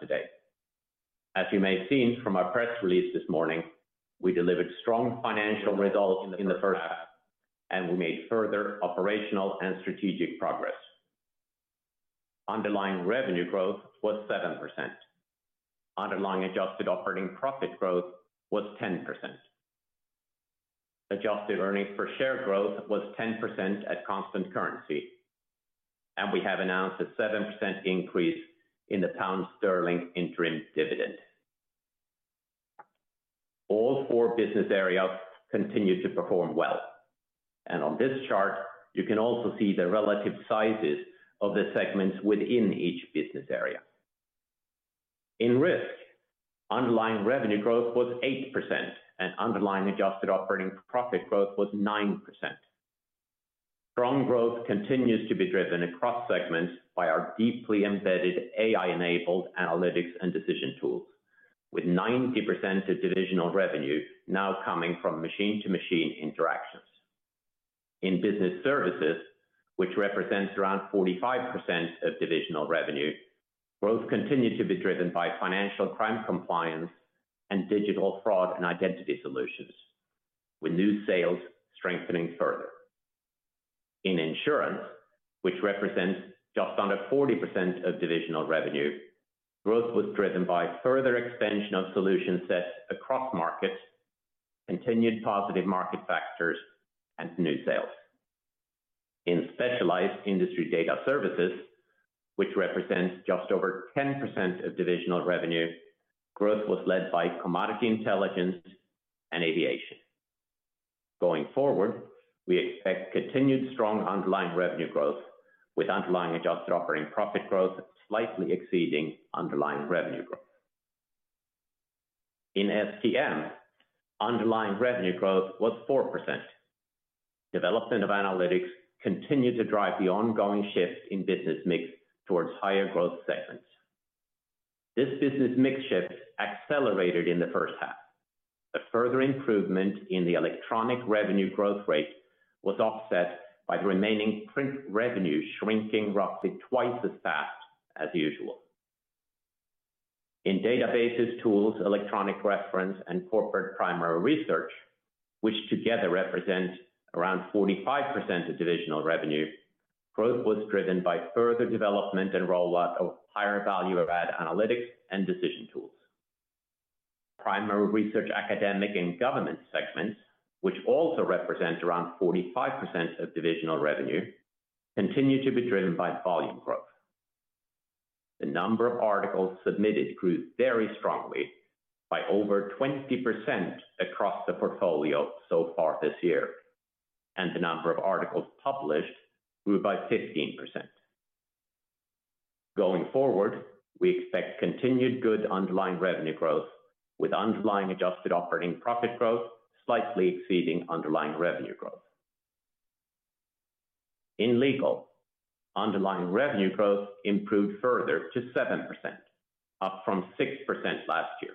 Of the day. As you may have seen from our press release this morning, we delivered strong financial results in the first half, and we made further operational and strategic progress. Underlying revenue growth was 7%. Underlying adjusted operating profit growth was 10%. Adjusted earnings per share growth was 10% at constant currency, and we have announced a 7% increase in the pound sterling interim dividend. All four business areas continued to perform well, and on this chart, you can also see the relative sizes of the segments within each business area. In Risk, underlying revenue growth was 8%, and underlying adjusted operating profit growth was 9%. Strong growth continues to be driven across segments by our deeply embedded AI-enabled analytics and decision tools, with 90% of divisional revenue now coming from machine-to-machine interactions. In business services, which represents around 45% of divisional revenue, growth continued to be driven by financial crime compliance and digital fraud and identity solutions, with new sales strengthening further. In insurance, which represents just under 40% of divisional revenue, growth was driven by further expansion of solution sets across markets, continued positive market factors, and new sales. In specialized industry data services, which represent just over 10% of divisional revenue, growth was led by commodity intelligence and aviation. Going forward, we expect continued strong underlying revenue growth, with underlying adjusted operating profit growth slightly exceeding underlying revenue growth. In STM, underlying revenue growth was 4%. Development of analytics continued to drive the ongoing shift in business mix towards higher growth segments. This business mix shift accelerated in the first half. A further improvement in the electronic revenue growth rate was offset by the remaining print revenue shrinking roughly twice as fast as usual. In databases, tools, electronic reference, and corporate primary research, which together represent around 45% of divisional revenue, growth was driven by further development and rollout of higher value-add analytics and decision tools. Primary research, academic, and government segments, which also represent around 45% of divisional revenue, continued to be driven by volume growth. The number of articles submitted grew very strongly, by over 20% across the portfolio so far this year, and the number of articles published grew by 15%. Going forward, we expect continued good underlying revenue growth, with underlying adjusted operating profit growth slightly exceeding underlying revenue growth. In Legal, underlying revenue growth improved further to 7%, up from 6% last year,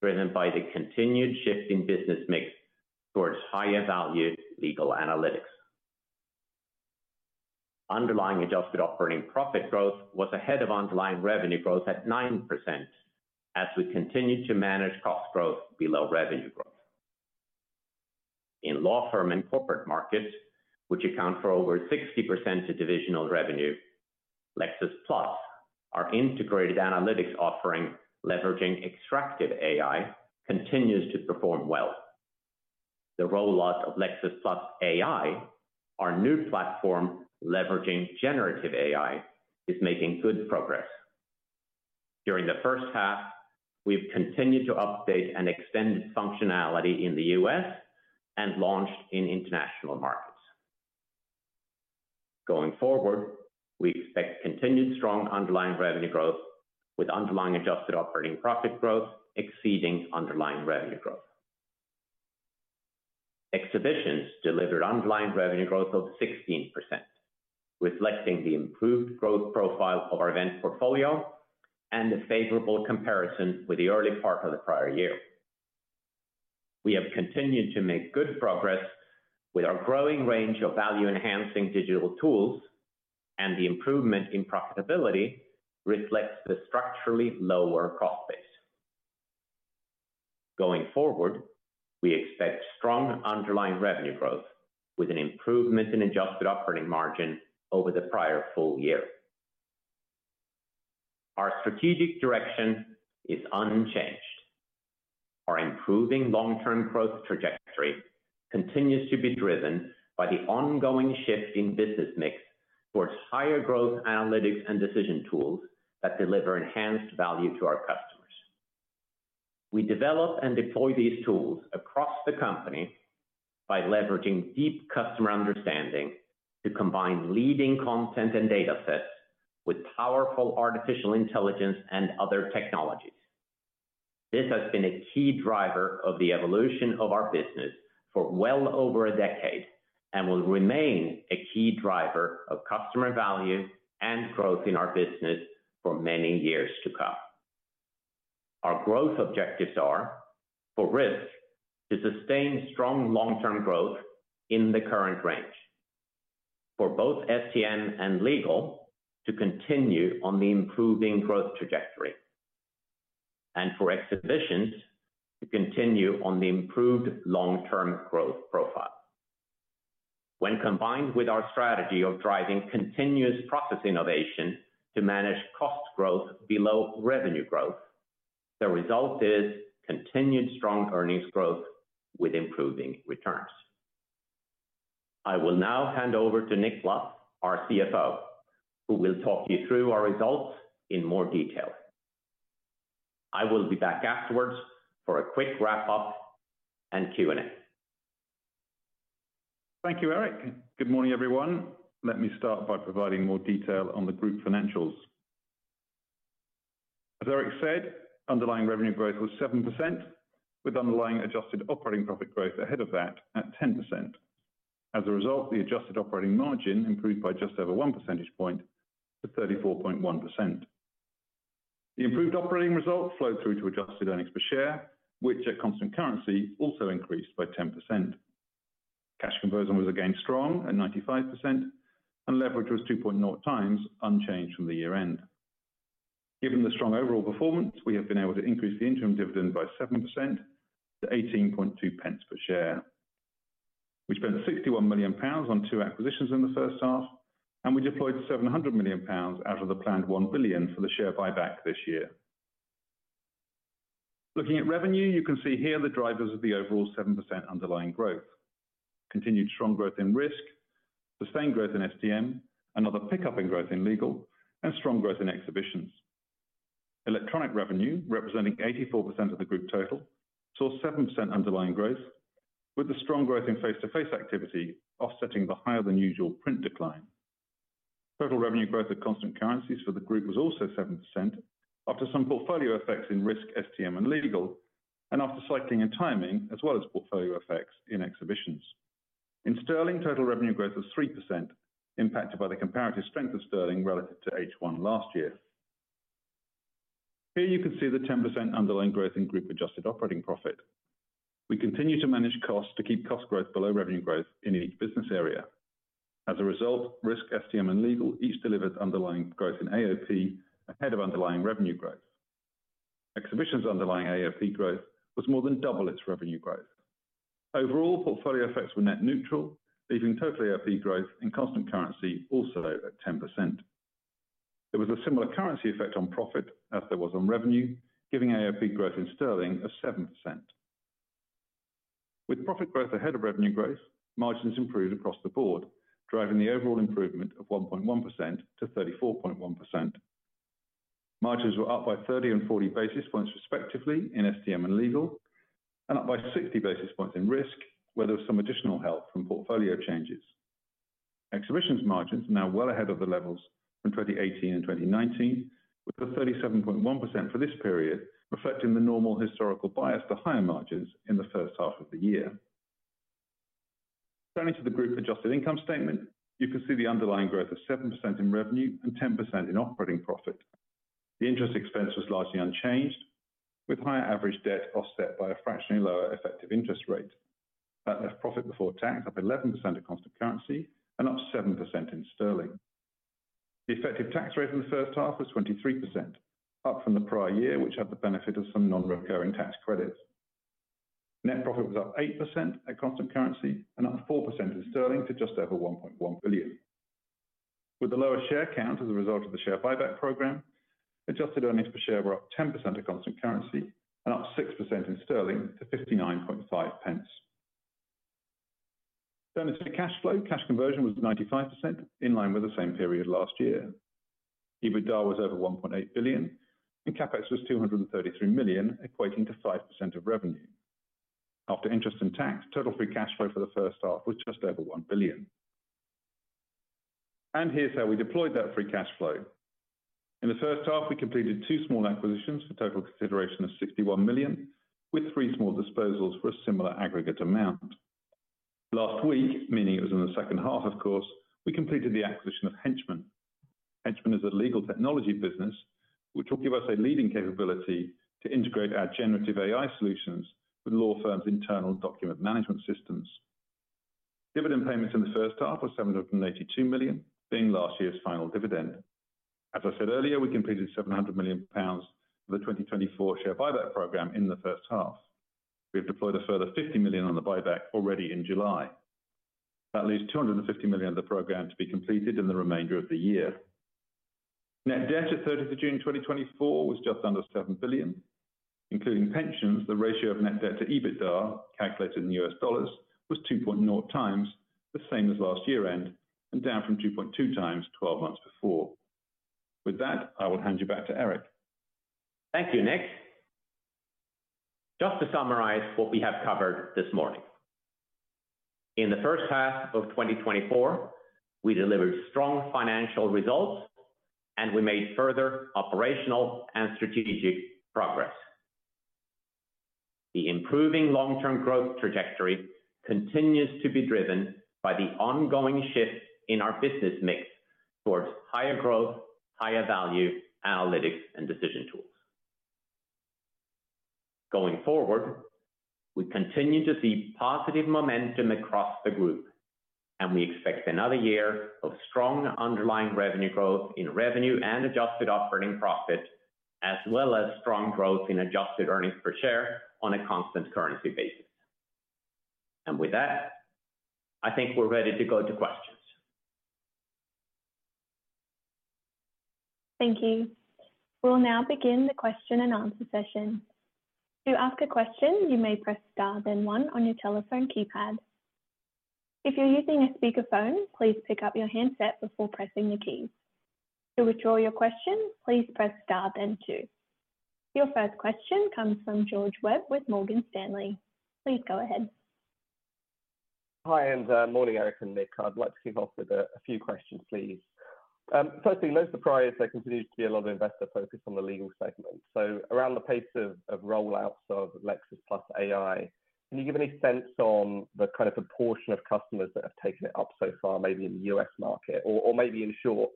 driven by the continued shift in business mix towards higher value legal analytics. Underlying adjusted operating profit growth was ahead of underlying revenue growth at 9%, as we continue to manage cost growth below revenue growth. In law firm and corporate markets, which account for over 60% of divisional revenue, Lexis+, our integrated analytics offering leveraging extractive AI, continues to perform well. The rollout of Lexis+ AI, our new platform leveraging generative AI, is making good progress. During the first half, we've continued to update and extend functionality in the U.S. and launched in international markets. Going forward, we expect continued strong underlying revenue growth, with underlying adjusted operating profit growth exceeding underlying revenue growth. Exhibitions delivered underlying revenue growth of 16%, reflecting the improved growth profile of our event portfolio and the favorable comparison with the early part of the prior year. We have continued to make good progress with our growing range of value-enhancing digital tools, and the improvement in profitability reflects the structurally lower cost base. Going forward, we expect strong underlying revenue growth, with an improvement in adjusted operating margin over the prior full year. Our strategic direction is unchanged. Our improving long-term growth trajectory continues to be driven by the ongoing shift in business mix towards higher growth analytics and decision tools that deliver enhanced value to our customers. We develop and deploy these tools across the company by leveraging deep customer understanding to combine leading content and data sets with powerful artificial intelligence and other technologies. This has been a key driver of the evolution of our business for well over a decade and will remain a key driver of customer value and growth in our business for many years to come. Our growth objectives are, for Risk, to sustain strong long-term growth in the current range, for both STM and Legal to continue on the improving growth trajectory, and for Exhibitions to continue on the improved long-term growth profile. When combined with our strategy of driving continuous process innovation to manage cost growth below revenue growth, the result is continued strong earnings growth with improving returns. I will now hand over to Nick Luff, our CFO, who will talk you through our results in more detail. I will be back afterwards for a quick wrap-up and Q&A. Thank you, Erik. Good morning, everyone. Let me start by providing more detail on the group financials. As Erik said, underlying revenue growth was 7%, with underlying adjusted operating profit growth ahead of that at 10%. As a result, the adjusted operating margin improved by just over 1 percentage point to 34.1%. The improved operating result flowed through to adjusted earnings per share, which at constant currency also increased by 10%. Cash conversion was again strong at 95%, and leverage was 2.0 times unchanged from the year-end. Given the strong overall performance, we have been able to increase the interim dividend by 7% to 18.2 pence per share. We spent 61 million pounds on 2 acquisitions in the first half, and we deployed 700 million pounds out of the planned 1 billion for the share buyback this year. Looking at revenue, you can see here the drivers of the overall 7% underlying growth: continued strong growth in Risk, sustained growth in STM, another pickup in growth in Legal, and strong growth in Exhibitions. Electronic revenue, representing 84% of the group total, saw 7% underlying growth, with the strong growth in face-to-face activity offsetting the higher-than-usual print decline. Total revenue growth at constant currencies for the group was also 7%, after some portfolio effects in Risk, STM, and Legal, and after cycling in timing, as well as portfolio effects in Exhibitions. In sterling, total revenue growth was 3%, impacted by the comparative strength of sterling relative to H1 last year. Here you can see the 10% underlying growth in group adjusted operating profit. We continue to manage costs to keep cost growth below revenue growth in each business area. As a result, Risk, STM, and Legal each delivered underlying growth in AOP ahead of underlying revenue growth. Exhibitions' underlying AOP growth was more than double its revenue growth. Overall, portfolio effects were net neutral, leaving total AOP growth in constant currency also at 10%. There was a similar currency effect on profit as there was on revenue, giving AOP growth in sterling of 7%. With profit growth ahead of revenue growth, margins improved across the board, driving the overall improvement of 1.1%-34.1%. Margins were up by 30 and 40 basis points respectively in STM and Legal, and up by 60 basis points in Risk, where there was some additional help from portfolio changes. Exhibitions' margins are now well ahead of the levels from 2018 and 2019, with a 37.1% for this period reflecting the normal historical bias to higher margins in the first half of the year. Turning to the group adjusted income statement, you can see the underlying growth of 7% in revenue and 10% in operating profit. The interest expense was largely unchanged, with higher average debt offset by a fractionally lower effective interest rate. That left profit before tax up 11% at constant currency and up 7% in sterling. The effective tax rate in the first half was 23%, up from the prior year, which had the benefit of some non-recurring tax credits. Net profit was up 8% at constant currency and up 4% in sterling to just over 1.1 billion. With the lower share count as a result of the share buyback program, adjusted earnings per share were up 10% at constant currency and up 6% in sterling to 0.595. Turning to the cash flow, cash conversion was 95%, in line with the same period last year. EBITDA was over 1.8 billion, and CapEx was 233 million, equating to 5% of revenue. After interest and tax, total free cash flow for the first half was just over 1 billion. Here's how we deployed that free cash flow. In the first half, we completed two small acquisitions for total consideration of 61 million, with three small disposals for a similar aggregate amount. Last week, meaning it was in the second half, of course, we completed the acquisition of Henchman. Henchman is a Legal technology business, which will give us a leading capability to integrate our generative AI solutions with law firms' internal document management systems. Dividend payments in the first half were 782 million, being last year's final dividend. As I said earlier, we completed 700 million pounds for the 2024 share buyback program in the first half. We have deployed a further 50 million on the buyback already in July. That leaves 250 million of the program to be completed in the remainder of the year. Net debt at 30 June 2024 was just under 7 billion. Including pensions, the ratio of net debt to EBITDA, calculated in US dollars, was 2.0 times the same as last year-end and down from 2.2 times 12 months before. With that, I will hand you back to Erik. Thank you, Nick. Just to summarize what we have covered this morning, in the first half of 2024, we delivered strong financial results, and we made further operational and strategic progress. The improving long-term growth trajectory continues to be driven by the ongoing shift in our business mix towards higher growth, higher value analytics and decision tools. Going forward, we continue to see positive momentum across the group, and we expect another year of strong underlying revenue growth in revenue and adjusted operating profit, as well as strong growth in adjusted earnings per share on a constant currency basis. With that, I think we're ready to go to questions. Thank you. We'll now begin the question and answer session. To ask a question, you may press star then one on your telephone keypad. If you're using a speakerphone, please pick up your handset before pressing the keys. To withdraw your question, please press star then two. Your first question comes from George Webb with Morgan Stanley. Please go ahead. Hi, and morning, Erik and Nick. I'd like to kick off with a few questions, please. Firstly, no surprise, there continues to be a lot of investor focus on the Legal segment. So around the pace of rollouts of Lexis+ AI, can you give any sense on the kind of proportion of customers that have taken it up so far, maybe in the U.S. market, or maybe in short?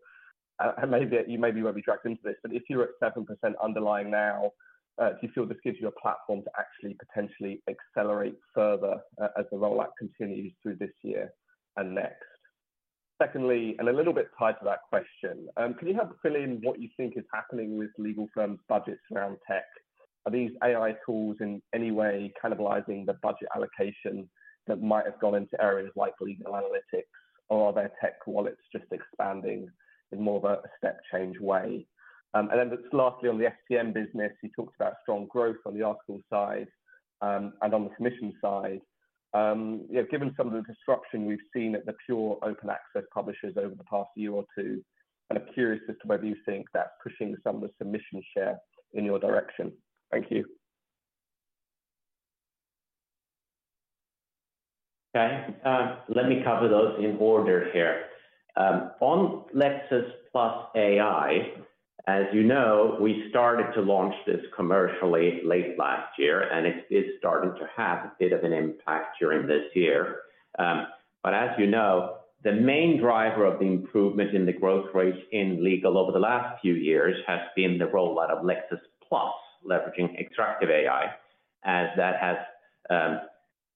And maybe you may be where we dragged into this, but if you're at 7% underlying now, do you feel this gives you a platform to actually potentially accelerate further as the rollout continues through this year and next? Secondly, and a little bit tied to that question, can you help fill in what you think is happening with legal firms' budgets around tech? Are these AI tools in any way cannibalizing the budget allocation that might have gone into areas like legal analytics, or are their tech wallets just expanding in more of a step-change way? And then lastly, on the STM business, you talked about strong growth on the article side and on the submission side. Given some of the disruption we've seen at the pure Open Access publishers over the past year or two, I'm curious as to whether you think that's pushing some of the submission share in your direction. Thank you. Okay. Let me cover those in order here. On Lexis+ AI, as you know, we started to launch this commercially late last year, and it is starting to have a bit of an impact during this year. But as you know, the main driver of the improvement in the growth rate in Legal over the last few years has been the rollout of Lexis+ leveraging extractive AI, as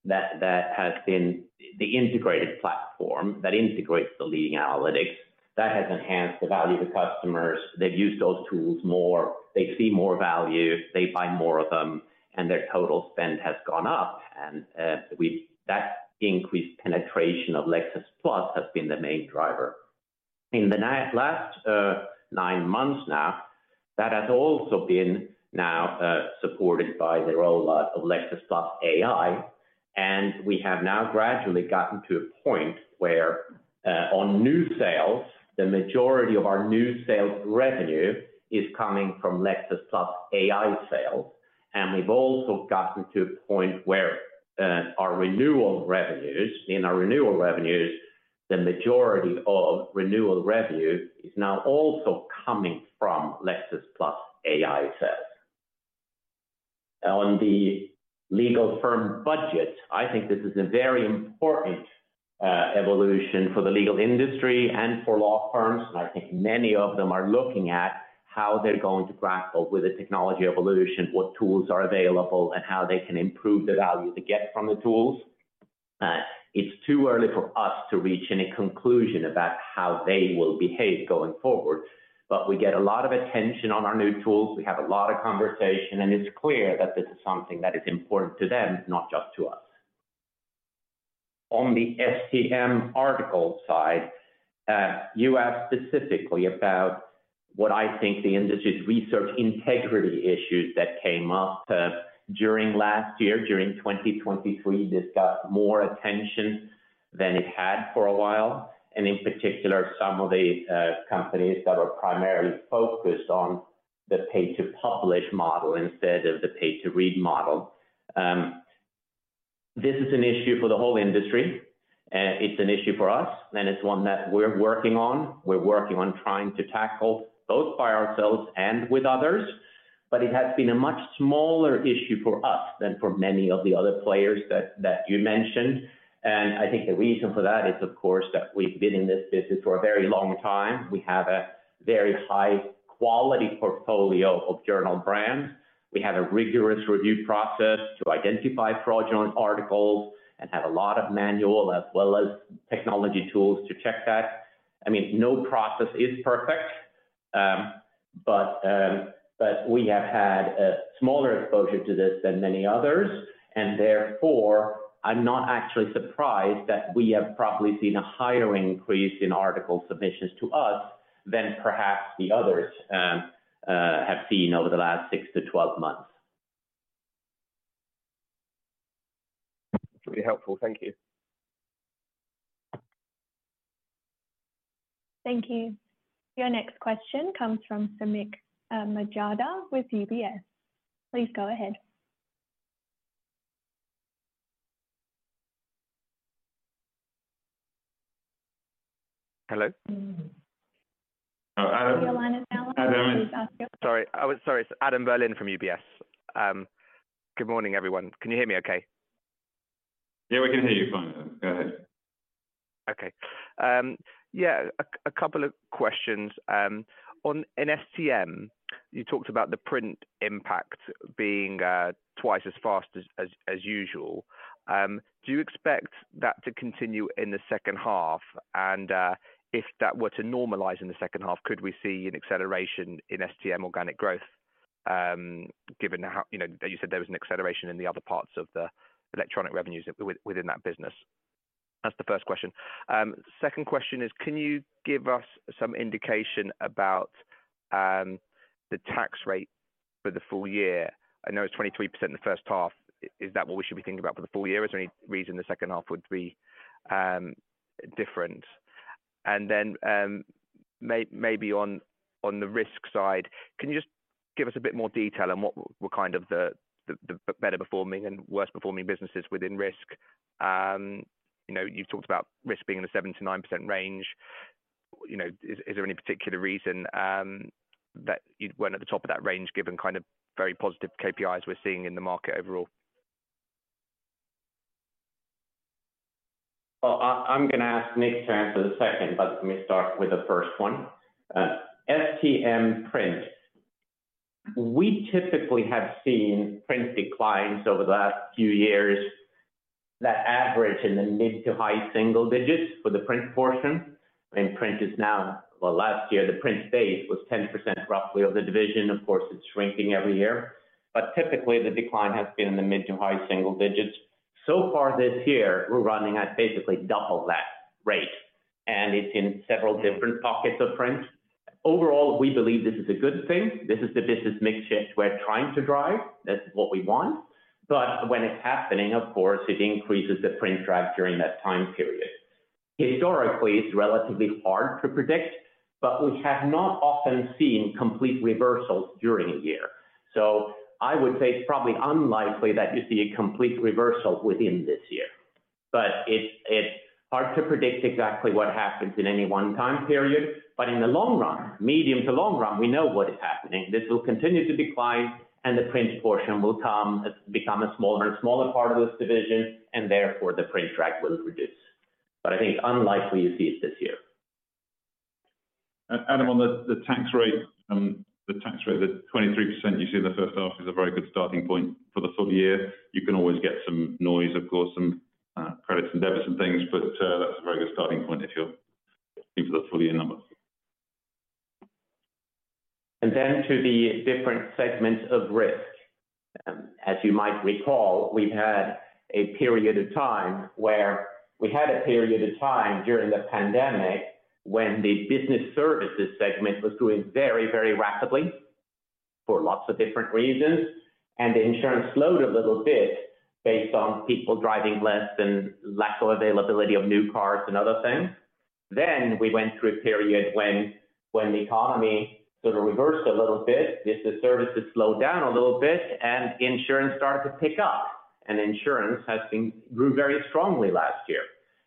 that has been the integrated platform that integrates the leading analytics. That has enhanced the value to customers. They've used those tools more. They see more value. They buy more of them, and their total spend has gone up. That increased penetration of Lexis+ has been the main driver. In the last nine months, that has also been supported by the rollout of Lexis+ AI, and we have gradually gotten to a point where on new sales, the majority of our new sales revenue is coming from Lexis+ AI sales. We've also gotten to a point where our renewal revenues, the majority of renewal revenue is now also coming from Lexis+ AI sales. On the legal firm budget, I think this is a very important evolution for the legal industry and for law firms, and I think many of them are looking at how they're going to grapple with the technology evolution, what tools are available, and how they can improve the value they get from the tools. It's too early for us to reach any conclusion about how they will behave going forward, but we get a lot of attention on our new tools. We have a lot of conversation, and it's clear that this is something that is important to them, not just to us. On the STM article side, you asked specifically about what I think the industry's research integrity issues that came up during last year, during 2023, discussed more attention than it had for a while, and in particular, some of the companies that were primarily focused on the pay-to-publish model instead of the pay-to-read model. This is an issue for the whole industry. It's an issue for us, and it's one that we're working on. We're working on trying to tackle both by ourselves and with others, but it has been a much smaller issue for us than for many of the other players that you mentioned. And I think the reason for that is, of course, that we've been in this business for a very long time. We have a very high-quality portfolio of journal brands. We have a rigorous review process to identify fraudulent articles and have a lot of manual as well as technology tools to check that. I mean, no process is perfect, but we have had a smaller exposure to this than many others, and therefore, I'm not actually surprised that we have probably seen a higher increase in article submissions to us than perhaps the others have seen over the last six to 12 months. Really helpful. Thank you. Thank you. Your next question comes from Samik Majada with UBS. Please go ahead. Hello? Your line is now on. Sorry. Sorry. It's Adam Berlin from UBS. Good morning, everyone. Can you hear me okay? Yeah, we can hear you fine. Go ahead. Okay. Yeah, a couple of questions. On STM, you talked about the print impact being twice as fast as usual. Do you expect that to continue in the second half? And if that were to normalize in the second half, could we see an acceleration in STM organic growth, given that you said there was an acceleration in the other parts of the electronic revenues within that business? That's the first question. Second question is, can you give us some indication about the tax rate for the full year? I know it's 23% in the first half. Is that what we should be thinking about for the full year? Is there any reason the second half would be different? And then maybe on the Risk side, can you just give us a bit more detail on what were kind of the better-performing and worst-performing businesses within Risk? You've talked about Risk being in the 7%-9% range. Is there any particular reason that you weren't at the top of that range, given kind of very positive KPIs we're seeing in the market overall? Well, I'm going to ask Nick to answer the second, but let me start with the first one. STM print. We typically have seen print declines over the last few years. That average in the mid to high single digits for the print portion. And print is now, well, last year, the print base was 10% roughly of the division. Of course, it's shrinking every year. But typically, the decline has been in the mid to high single digits. So far this year, we're running at basically double that rate, and it's in several different pockets of print. Overall, we believe this is a good thing. This is the business mix shift we're trying to drive. That's what we want. But when it's happening, of course, it increases the print drag during that time period. Historically, it's relatively hard to predict, but we have not often seen complete reversals during a year. I would say it's probably unlikely that you see a complete reversal within this year. It's hard to predict exactly what happens in any one-time period. In the long run, medium to long run, we know what is happening. This will continue to decline, and the print portion will become a smaller and smaller part of this division, and therefore, the print drag will reduce. I think it's unlikely you see it this year. Adam, on the tax rate, the 23% you see in the first half is a very good starting point for the full year. You can always get some noise, of course, some credits and debits and things, but that's a very good starting point if you're looking for the full-year number. And then to the different segments of Risk. As you might recall, we've had a period of time where we had a period of time during the pandemic when the business services segment was growing very, very rapidly for lots of different reasons, and the insurance slowed a little bit based on people driving less and lack of availability of new cars and other things. Then we went through a period when the economy sort of reversed a little bit. Business services slowed down a little bit, and insurance started to pick up. And insurance grew very strongly last year.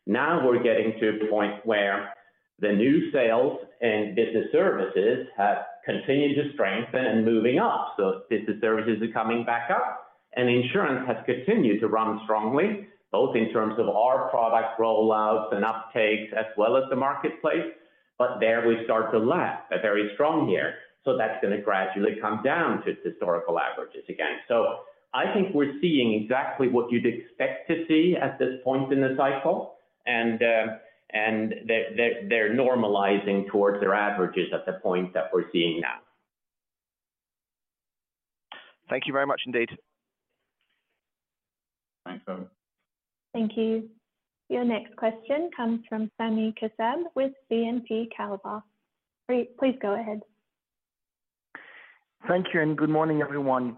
Now we're getting to a point where the new sales and business services have continued to strengthen and moving up. So business services are coming back up, and insurance has continued to run strongly, both in terms of our product rollouts and uptakes as well as the marketplace. But there we start to lag a very strong year. So that's going to gradually come down to historical averages again. So I think we're seeing exactly what you'd expect to see at this point in the cycle, and they're normalizing towards their averages at the point that we're seeing now. Thank you very much indeed. Thanks, Adam. Thank you. Your next question comes from Sami Kassab with Exane BNP Paribas. Please go ahead. Thank you, and good morning, everyone.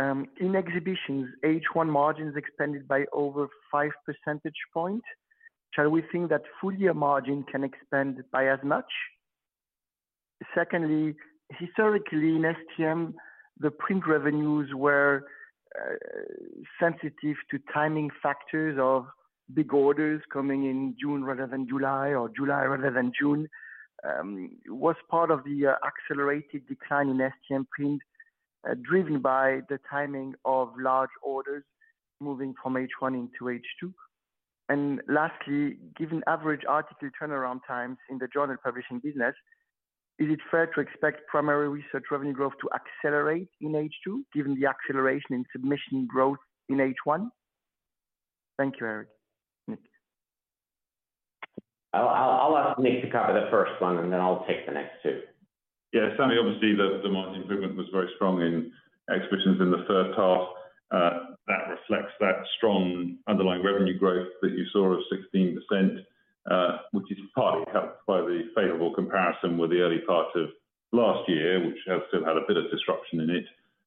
In exhibitions, H1 margins expanded by over 5 percentage points. Shall we think that full-year margin can expand by as much? Secondly, historically, in STM, the print revenues were sensitive to timing factors of big orders coming in June rather than July or July rather than June. It was part of the accelerated decline in STM print driven by the timing of large orders moving from H1 into H2. And lastly, given average article turnaround times in the journal publishing business, is it fair to expect primary research revenue growth to accelerate in H2, given the acceleration in submission growth in H1? Thank you, Erik. Nick. I'll ask Nick to cover the first one, and then I'll take the next two. Yeah. Sami, obviously, the margin improvement was very strong in Exhibitions in the first half. That reflects that strong underlying revenue growth that you saw of 16%, which is partly helped by the favorable comparison with the early part of last year, which has still had a bit of disruption in it.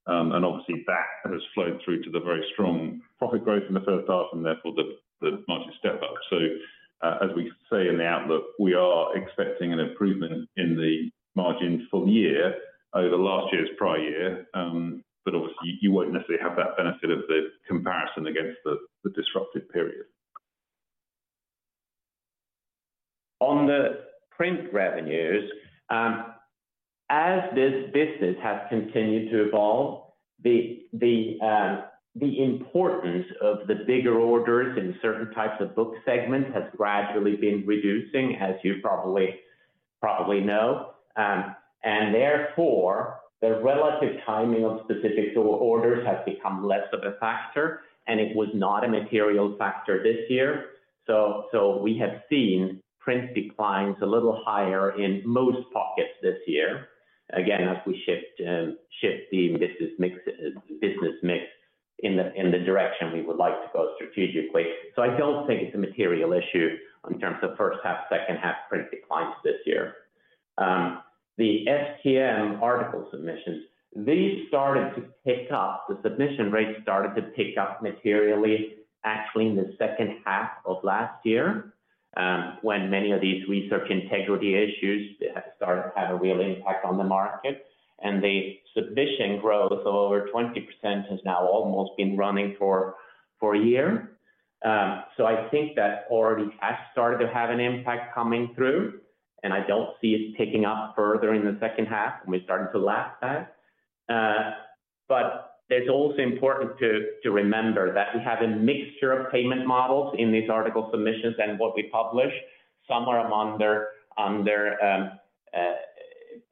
And obviously, that has flowed through to the very strong profit growth in the first half, and therefore, the margin step-up. So as we say in the outlook, we are expecting an improvement in the margin full year over last year's prior year, but obviously, you won't necessarily have that benefit of the comparison against the disruptive period. On the print revenues, as this business has continued to evolve, the importance of the bigger orders in certain types of book segments has gradually been reducing, as you probably know. And therefore, the relative timing of specific orders has become less of a factor, and it was not a material factor this year. So we have seen print declines a little higher in most pockets this year, again, as we shift the business mix in the direction we would like to go strategically. So I don't think it's a material issue in terms of first half, second half print declines this year. The STM article submissions. These started to pick up. The submission rate started to pick up materially, actually, in the second half of last year when many of these research integrity issues started to have a real impact on the market. The submission growth of over 20% has now almost been running for a year. I think that already has started to have an impact coming through, and I don't see it picking up further in the second half when we started to lag back. It's also important to remember that we have a mixture of payment models in these article submissions and what we publish. Some are on their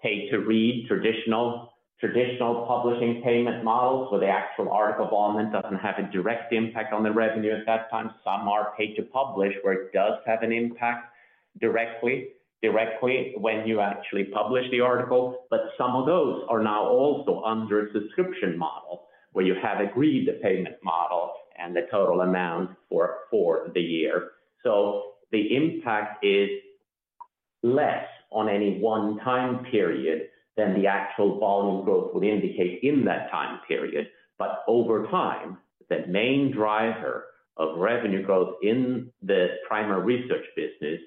pay-to-read traditional publishing payment models where the actual article volume doesn't have a direct impact on the revenue at that time. Some are pay-to-publish where it does have an impact directly when you actually publish the article. Some of those are now also under a subscription model where you have agreed the payment model and the total amount for the year. So the impact is less on any one-time period than the actual volume growth would indicate in that time period. But over time, the main driver of revenue growth in the primary research business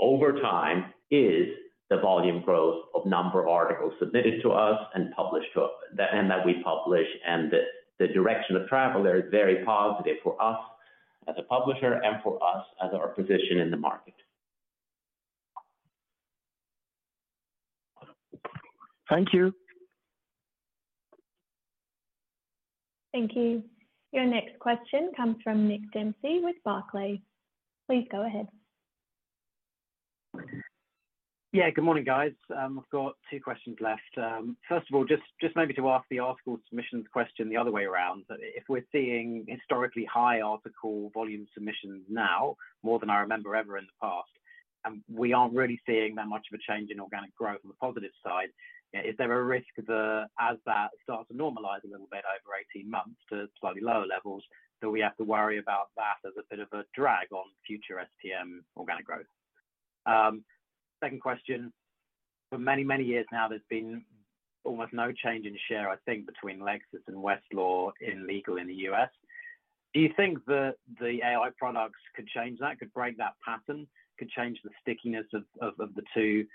over time is the volume growth of number of articles submitted to us and published to us and that we publish. And the direction of travel there is very positive for us as a publisher and for us as our position in the market. Thank you. Thank you. Your next question comes from Nick Dempsey with Barclays. Please go ahead. Yeah, good morning, guys. I've got two questions left. First of all, just maybe to ask the article submissions question the other way around. If we're seeing historically high article volume submissions now, more than I remember ever in the past, and we aren't really seeing that much of a change in organic growth on the positive side, is there a risk that as that starts to normalize a little bit over 18 months to slightly lower levels, that we have to worry about that as a bit of a drag on future STM organic growth? Second question. For many, many years now, there's been almost no change in share, I think, between Lexis and Westlaw in Legal in the U.S. Do you think that the AI products could change that, could break that pattern, could change the stickiness of the two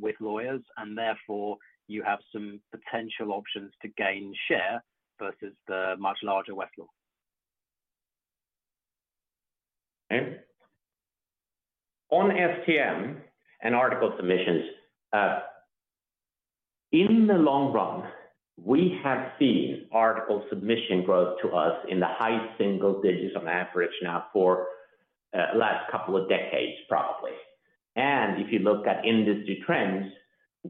with lawyers, and therefore, you have some potential options to gain share versus the much larger Westlaw? On STM and article submissions, in the long run, we have seen article submission growth to us in the high single digits on average now for the last couple of decades, probably. If you look at industry trends,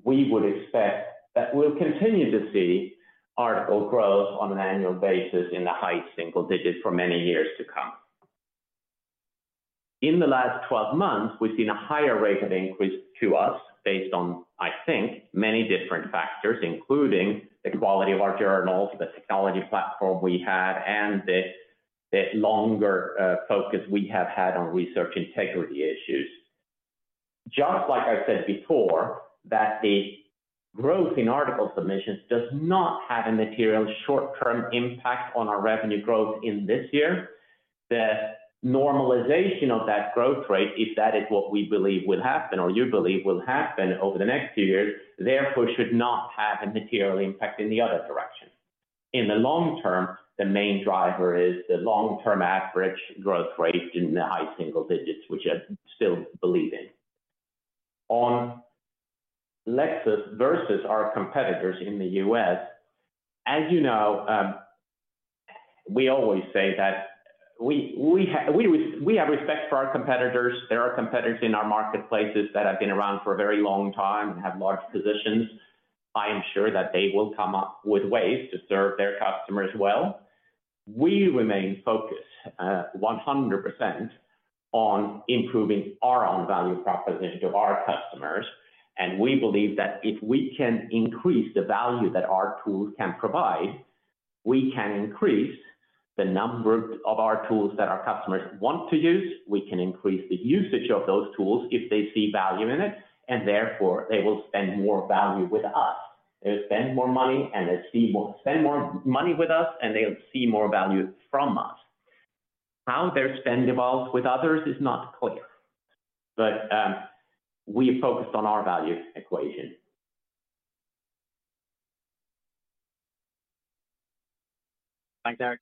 we would expect that we'll continue to see article growth on an annual basis in the high single digits for many years to come. In the last 12 months, we've seen a higher rate of increase to us based on, I think, many different factors, including the quality of our journals, the technology platform we have, and the longer focus we have had on research integrity issues. Just like I said before, that the growth in article submissions does not have a material short-term impact on our revenue growth in this year. The normalization of that growth rate, if that is what we believe will happen or you believe will happen over the next few years, therefore should not have a material impact in the other direction. In the long term, the main driver is the long-term average growth rate in the high single digits, which I still believe in. On Lexis versus our competitors in the U.S., as you know, we always say that we have respect for our competitors. There are competitors in our marketplaces that have been around for a very long time and have large positions. I am sure that they will come up with ways to serve their customers well. We remain focused 100% on improving our own value proposition to our customers. We believe that if we can increase the value that our tools can provide, we can increase the number of our tools that our customers want to use. We can increase the usage of those tools if they see value in it, and therefore, they will spend more value with us. They'll spend more money, and they'll spend more money with us, and they'll see more value from us. How their spend evolves with others is not clear, but we focused on our value equation. Thanks, Erik.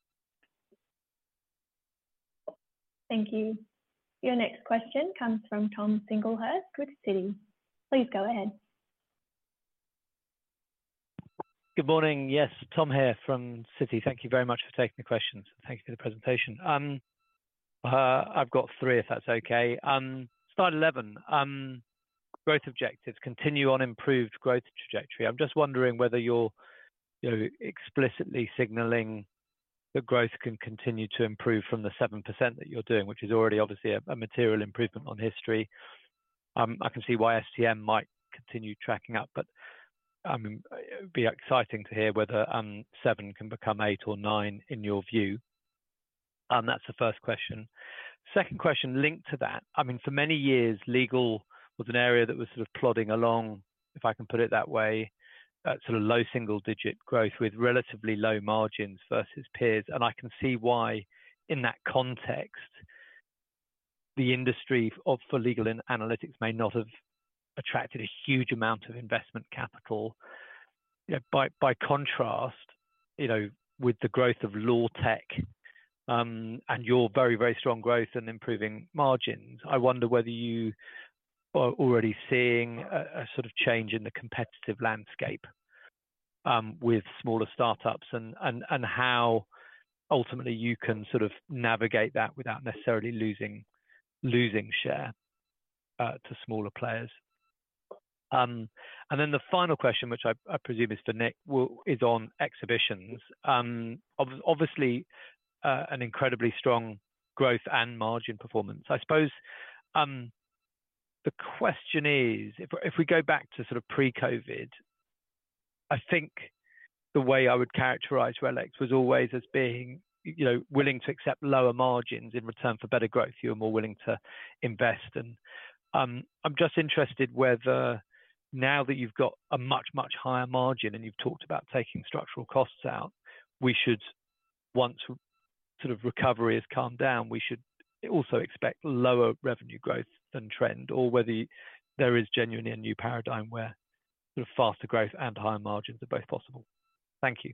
Thank you. Your next question comes from Tom Singlehurst with Citi. Please go ahead. Good morning. Yes, Tom here from Citi. Thank you very much for taking the questions. Thank you for the presentation. I've got three, if that's okay. Slide 11, growth objectives, continue on improved growth trajectory. I'm just wondering whether you're explicitly signaling that growth can continue to improve from the 7% that you're doing, which is already obviously a material improvement on history. I can see why STM might continue tracking up, but it would be exciting to hear whether 7% can become 8% or 9% in your view. That's the first question. Second question linked to that. I mean, for many years, legal was an area that was sort of plodding along, if I can put it that way, sort of low single-digit growth with relatively low margins versus peers. And I can see why in that context, the industry of legal analytics may not have attracted a huge amount of investment capital. By contrast, with the growth of law tech and your very, very strong growth and improving margins, I wonder whether you are already seeing a sort of change in the competitive landscape with smaller startups and how ultimately you can sort of navigate that without necessarily losing share to smaller players. And then the final question, which I presume is for Nick, is on exhibitions. Obviously, an incredibly strong growth and margin performance. I suppose the question is, if we go back to sort of pre-COVID, I think the way I would characterize RELX was always as being willing to accept lower margins in return for better growth. You're more willing to invest. I'm just interested whether now that you've got a much, much higher margin and you've talked about taking structural costs out, we should, once sort of recovery has calmed down, we should also expect lower revenue growth than trend, or whether there is genuinely a new paradigm where sort of faster growth and higher margins are both possible? Thank you.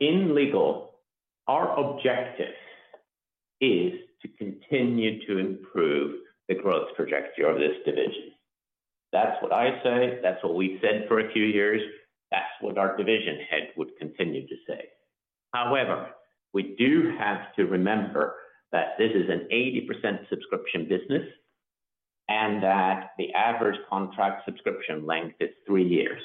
In Legal, our objective is to continue to improve the growth trajectory of this division. That's what I say. That's what we've said for a few years. That's what our division head would continue to say. However, we do have to remember that this is an 80% subscription business and that the average contract subscription length is three years,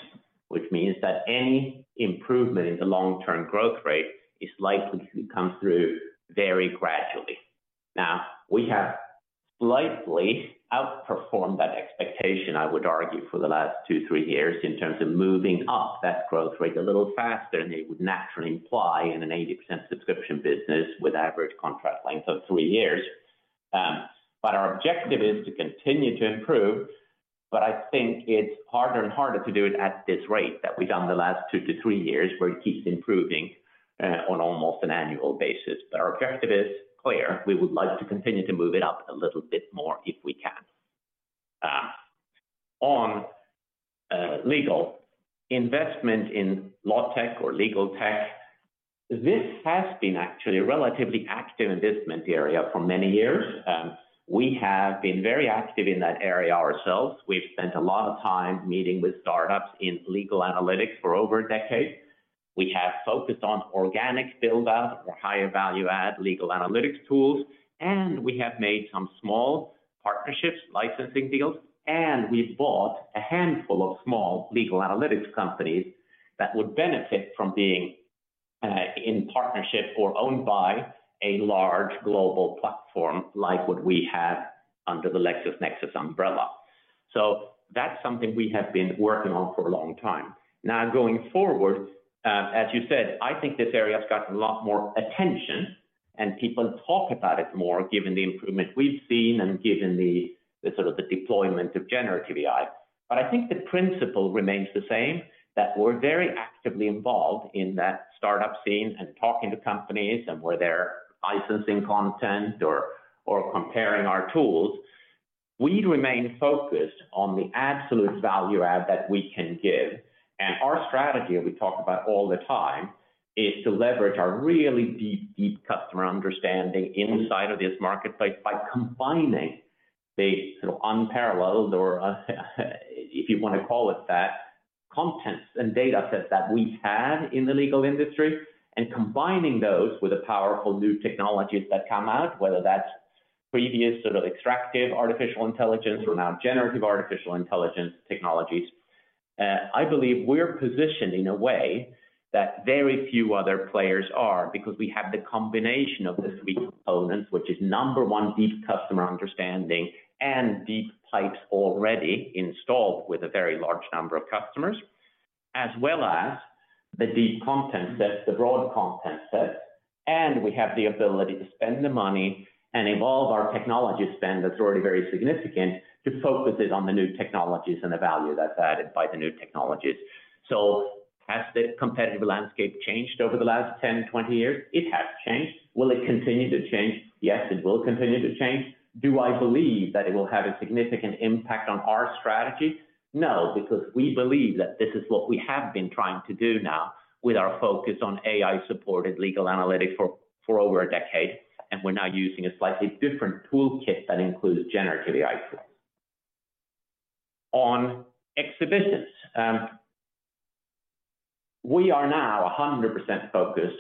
which means that any improvement in the long-term growth rate is likely to come through very gradually. Now, we have slightly outperformed that expectation, I would argue, for the last two, three years in terms of moving up that growth rate a little faster, and it would naturally imply in an 80% subscription business with average contract length of three years. But our objective is to continue to improve, but I think it's harder and harder to do it at this rate that we've done the last two to three years where it keeps improving on almost an annual basis. But our objective is clear. We would like to continue to move it up a little bit more if we can. On Legal, investment in law tech or legal tech, this has been actually a relatively active investment area for many years. We have been very active in that area ourselves. We've spent a lot of time meeting with startups in legal analytics for over a decade. We have focused on organic build-up or higher value-add legal analytics tools, and we have made some small partnerships, licensing deals, and we've bought a handful of small legal analytics companies that would benefit from being in partnership or owned by a large global platform like what we have under the LexisNexis umbrella. So that's something we have been working on for a long time. Now, going forward, as you said, I think this area has gotten a lot more attention, and people talk about it more given the improvement we've seen and given the sort of deployment of generative AI. But I think the principle remains the same that we're very actively involved in that startup scene and talking to companies and where they're licensing content or comparing our tools. We remain focused on the absolute value-add that we can give. And our strategy, we talk about all the time, is to leverage our really deep, deep customer understanding inside of this marketplace by combining the sort of unparalleled or, if you want to call it that, contents and datasets that we've had in the legal industry and combining those with the powerful new technologies that come out, whether that's previous sort of extractive artificial intelligence or now generative artificial intelligence technologies. I believe we're positioned in a way that very few other players are because we have the combination of the three components, which is number one, deep customer understanding and deep pipes already installed with a very large number of customers, as well as the deep content sets, the broad content sets. We have the ability to spend the money and evolve our technology spend that's already very significant to focus it on the new technologies and the value that's added by the new technologies. So has the competitive landscape changed over the last 10, 20 years? It has changed. Will it continue to change? Yes, it will continue to change. Do I believe that it will have a significant impact on our strategy? No, because we believe that this is what we have been trying to do now with our focus on AI-supported legal analytics for over a decade, and we're now using a slightly different toolkit that includes generative AI tools. On Exhibitions, we are now 100% focused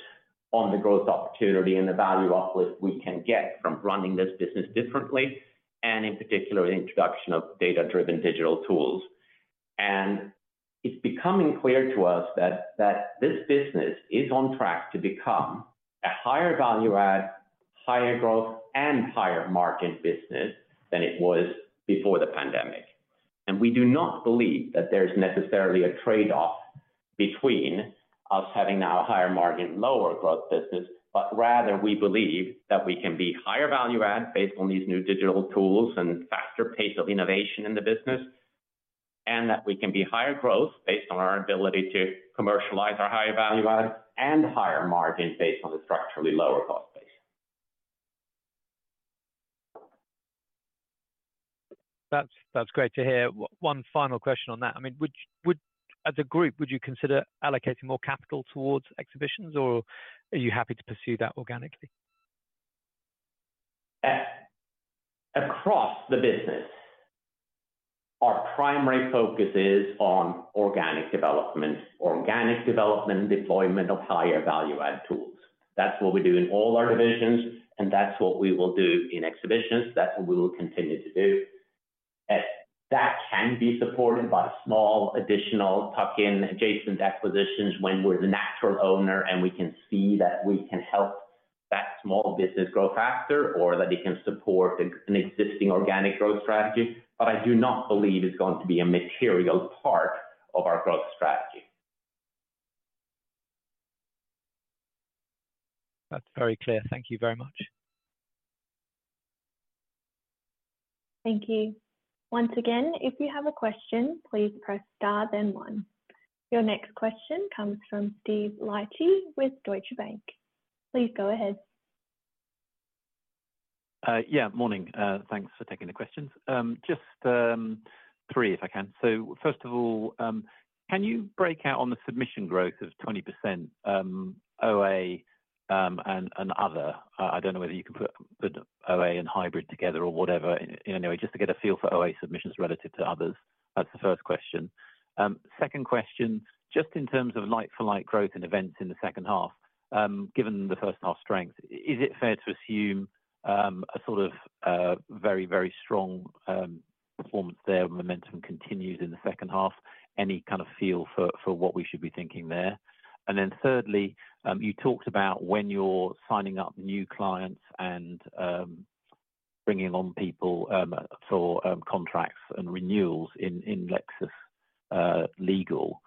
on the growth opportunity and the value uplift we can get from running this business differently and in particular, the introduction of data-driven digital tools. It's becoming clear to us that this business is on track to become a higher value-add, higher growth, and higher margin business than it was before the pandemic. We do not believe that there's necessarily a trade-off between us having now a higher margin and lower growth business, but rather we believe that we can be higher value-add based on these new digital tools and faster pace of innovation in the business, and that we can be higher growth based on our ability to commercialize our higher value-add and higher margin based on the structurally lower cost base. That's great to hear. One final question on that. I mean, as a group, would you consider allocating more capital towards Exhibitions, or are you happy to pursue that organically? Across the business, our primary focus is on organic development, organic development and deployment of higher value-add tools. That's what we do in all our divisions, and that's what we will do in Exhibitions. That's what we will continue to do. That can be supported by small additional tuck-in adjacent acquisitions when we're the natural owner and we can see that we can help that small business grow faster or that it can support an existing organic growth strategy. But I do not believe it's going to be a material part of our growth strategy. That's very clear. Thank you very much. Thank you. Once again, if you have a question, please press star then one. Your next question comes from Steve Liechti with Deutsche Bank. Please go ahead. Yeah, morning. Thanks for taking the questions. Just three, if I can. So first of all, can you break out on the submission growth of 20% OA and other? I don't know whether you can put OA and hybrid together or whatever. Anyway, just to get a feel for OA submissions relative to others. That's the first question. Second question, just in terms of like-for-like growth and events in the second half, given the first half strength, is it fair to assume a sort of very, very strong performance there when momentum continues in the second half? Any kind of feel for what we should be thinking there? And then thirdly, you talked about when you're signing up new clients and bringing on people for contracts and renewals in Lexis Legal.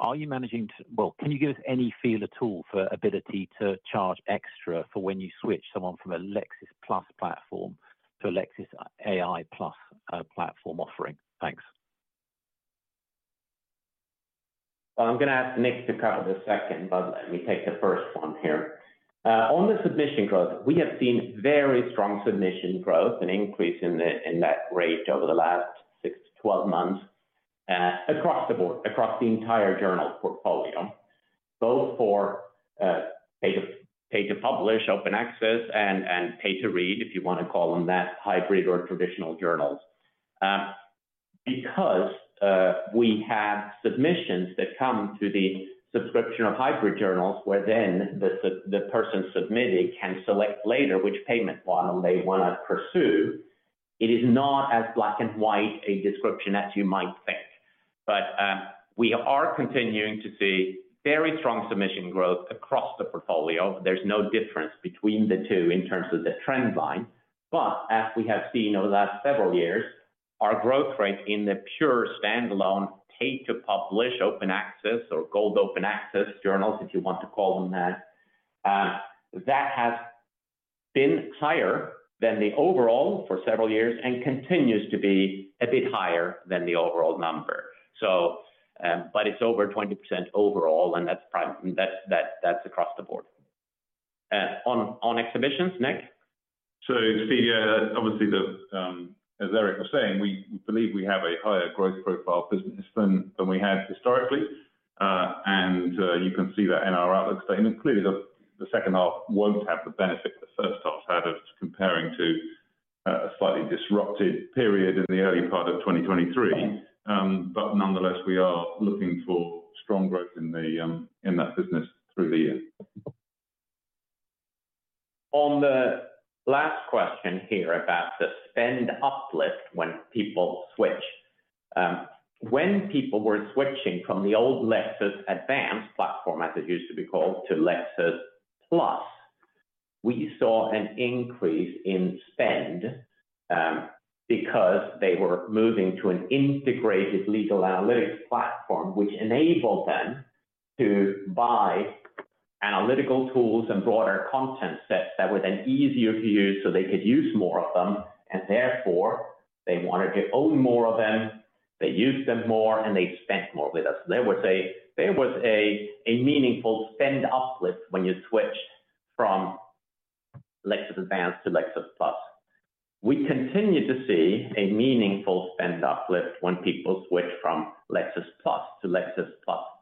Are you managing to, well, can you give us any feel at all for ability to charge extra for when you switch someone from a Lexis+ platform to a Lexis+ AI platform offering? Thanks. I'm going to ask Nick to cover the second, but let me take the first one here. On the submission growth, we have seen very strong submission growth and increase in that rate over the last six, 12 months across the board, across the entire journal portfolio, both for pay-to-publish, open access, and pay-to-read, if you want to call them that, hybrid or traditional journals. Because we have submissions that come to the subscription of hybrid journals where then the person submitting can select later which payment model they want to pursue. It is not as black-and-white, a description as you might think. But we are continuing to see very strong submission growth across the portfolio. There's no difference between the two in terms of the trend line. But as we have seen over the last several years, our growth rate in the pure standalone pay-to-publish, Open Access, or gold Open Access journals, if you want to call them that, that has been higher than the overall for several years and continues to be a bit higher than the overall number. But it's over 20% overall, and that's across the board. On Exhibitions, Nick? So obviously, as Erik was saying, we believe we have a higher growth profile business than we had historically. And you can see that in our outlook statement clearly, the second half won't have the benefit the first half had of comparing to a slightly disrupted period in the early part of 2023. But nonetheless, we are looking for strong growth in that business through the year. On the last question here about the spend uplift when people switch. When people were switching from the old Lexis Advance platform, as it used to be called, to Lexis+, we saw an increase in spend because they were moving to an integrated legal analytics platform, which enabled them to buy analytical tools and broader content sets that were then easier to use so they could use more of them. And therefore, they wanted to own more of them. They used them more, and they spent more with us. There was a meaningful spend uplift when you switched from Lexis Advance to Lexis+. We continue to see a meaningful spend uplift when people switch from Lexis+ to Lexis+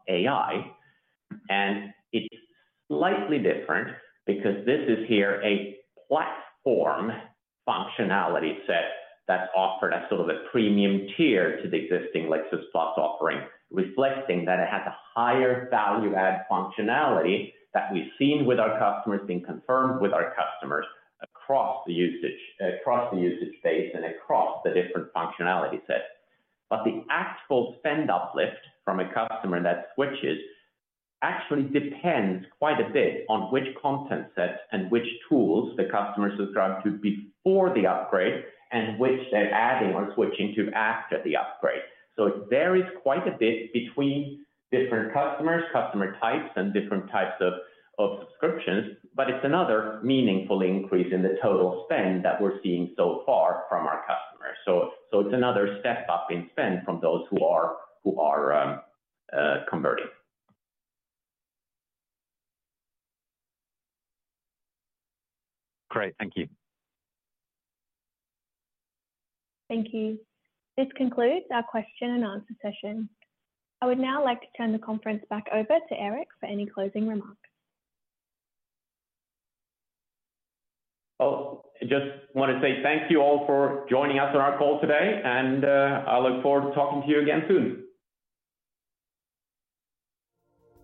AI. It's slightly different because this is here a platform functionality set that's offered as sort of a premium tier to the existing Lexis+ offering, reflecting that it has a higher value-add functionality that we've seen with our customers, been confirmed with our customers across the usage base and across the different functionality sets. But the actual spend uplift from a customer that switches actually depends quite a bit on which content sets and which tools the customer subscribed to before the upgrade and which they're adding or switching to after the upgrade. So it varies quite a bit between different customers, customer types, and different types of subscriptions, but it's another meaningful increase in the total spend that we're seeing so far from our customers. So it's another step up in spend from those who are converting. Great. Thank you. Thank you. This concludes our question and answer session. I would now like to turn the conference back over to Erik for any closing remarks. I just want to say thank you all for joining us on our call today, and I look forward to talking to you again soon.